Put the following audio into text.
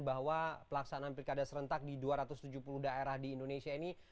bahwa pelaksanaan pilkada serentak di dua ratus tujuh puluh daerah di indonesia ini